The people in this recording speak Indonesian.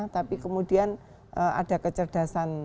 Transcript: tapi kemudian ada kecerdasan